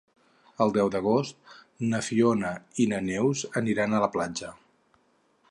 El deu d'agost na Fiona i na Neus aniran a la platja.